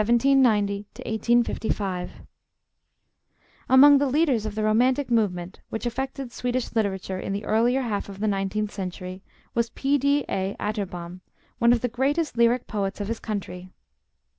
PER DANIEL AMADEUS ATTERBOM (1790 1855) Among the leaders of the romantic movement which affected Swedish literature in the earlier half of the nineteenth century was P.D.A. Atterbom, one of the greatest lyric poets of his country.